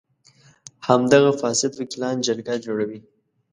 همدغه فاسد وکیلان جرګه جوړوي.